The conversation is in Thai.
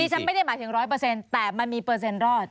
ดิฉันไม่ได้หมายถึงร้อยเปอร์เซ็นต์แต่มันมีเปอร์เซ็นต์รอด